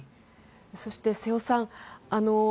そして、瀬尾さん。